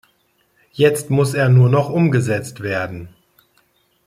Jetzt muss er nur noch umgesetzt werden.